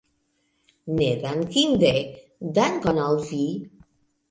Nedankinde, dankon al vi!